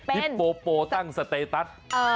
ฮิปโปโปตั้งสเตตัส